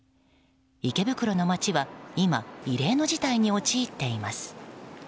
池袋の街は今異例の事態に陥っています。